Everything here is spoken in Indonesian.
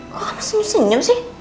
kok kamu senyum senyum sih